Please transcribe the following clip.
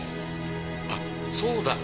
あっそうだ。